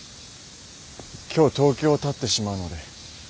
今日東京をたってしまうので。